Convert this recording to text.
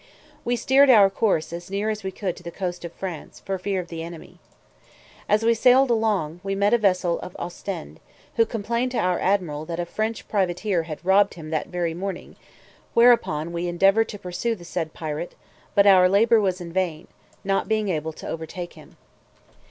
We steered our course as near as we could to the coast of France, for fear of the enemy. As we sailed along, we met a vessel of Ostend, who complained to our admiral, that a French privateer had robbed him that very morning; whereupon we endeavoured to pursue the said pirate; but our labour was in vain, not being able to overtake him.